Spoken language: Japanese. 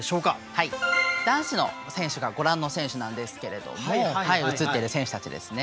はい男子の選手がご覧の選手なんですけれども映ってる選手たちですね。